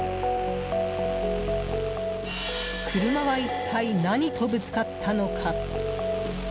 車は一体、何とぶつかったのか。